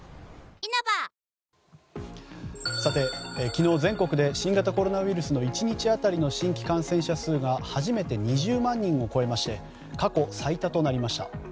昨日、全国で新型コロナウイルスの１日当たりの新規感染者数が初めて２０万人を超えまして過去最多となりました。